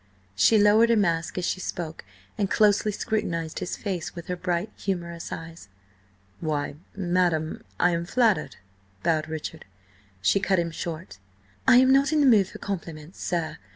She lowered her mask as she spoke and closely scrutinised his face with her bright, humorous eyes. "Why, madam, I am flattered," bowed Richard. She cut him short. "I am not in the mood for compliments, sir.